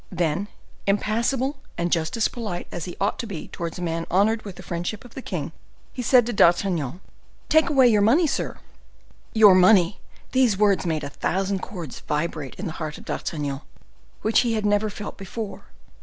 Then, impassible, and just as polite as he ought to be towards a man honored with the friendship of the king, he said to D'Artagnan: "Take away your money, sir." Your money! These words made a thousand chords vibrate in the heart of D'Artagnan, which he had never felt before.